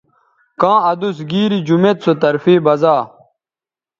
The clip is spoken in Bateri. کاں ادوس گیری جمیت سو طرفے بزا